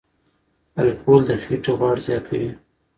الکول د خېټې غوړ زیاتوي.